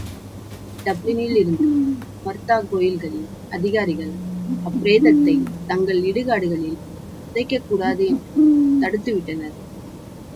டப்ளினிலிருந்த மர்தாகோயில்களின் அதிகாரிகள் அப்பிரேதத்தைத் தங்கள் இடுகாடுகளில் புதைக்கக்கூடாது என்று தடுத்துவிட்டனர்.